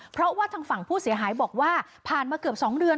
เพราะว่าทางฝั่งผู้เสียหายบอกว่าผ่านมาเกือบ๒เดือน